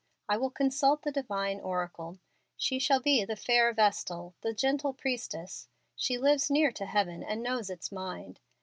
I will consult the divine oracle. She shall be the fair vestal, the gentle priestess. She lives near to heaven, and knows its mind.